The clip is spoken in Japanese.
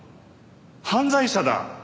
犯罪者だ！